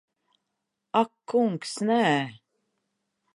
Ak kungs, nē.